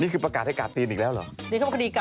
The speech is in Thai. ประกาศให้กาดตีนอีกแล้วเหรอ